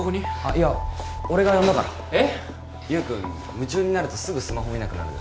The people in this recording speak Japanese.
夢中になるとすぐスマホ見なくなるでしょ。